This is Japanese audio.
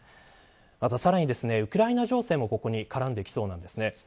さらに、ウクライナ情勢もここに絡んできそうです。